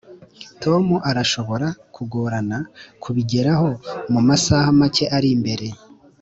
tom arashobora kugorana kubigeraho mumasaha make ari imbere.